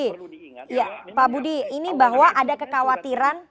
iya pak budi ini bahwa ada kekhawatiran